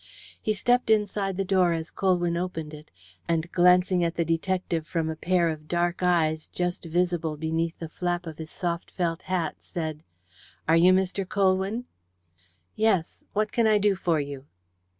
He stepped inside the door as Colwyn opened it, and, glancing at the detective from a pair of dark eyes just visible beneath the flap of his soft felt hat, said: "Are you Mr. Colwyn?" "Yes. What can I do for you?"